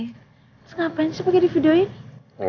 terus ngapain sih pakai di video ini